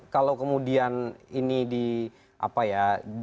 kalau kemudian ini di apa ya